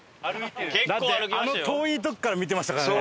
だってあの遠いとこから見てましたからね